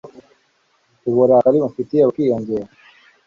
uburakari umfitiye bukiyongera